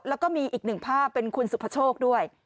แล้วก็มีอีกหนึ่งภาพเป็นคุณสุภโชคด้วย